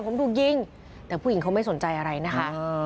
ผมถูกยิงแต่ผู้หญิงเขาไม่สนใจอะไรนะคะ